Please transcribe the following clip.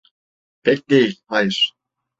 Pek değil, hayır.